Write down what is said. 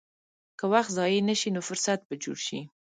که وخت ضایع نه شي، نو فرصت به جوړ شي.